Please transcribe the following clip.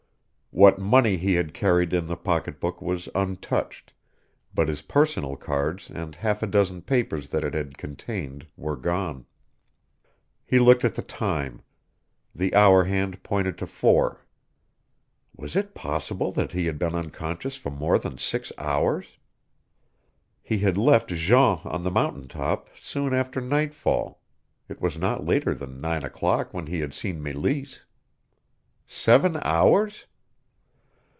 What money he had carried in the pocketbook was untouched, but his personal cards and half a dozen papers that it had contained were gone. He looked at the time. The hour hand pointed to four. Was it possible that he had been unconscious for more than six hours? He had left Jean on the mountain top soon after nightfall it was not later than nine o'clock when he had seen Meleese. Seven hours!